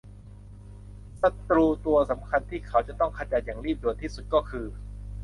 ศัตรูตัวสำคัญที่เขาจะต้องขจัดอย่างรีบด่วนที่สุดก็คือ